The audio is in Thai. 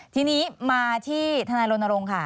ทีนี้มาที่ทนายรณรงค์ค่ะ